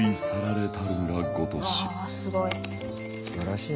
すごい。